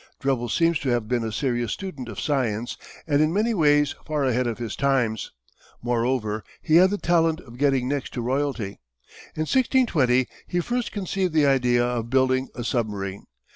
Drebel seems to have been a serious student of science and in many ways far ahead of his times. Moreover, he had the talent of getting next to royalty. In 1620 he first conceived the idea of building a submarine.